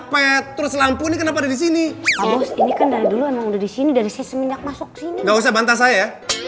bedia bedia udahcanbis ya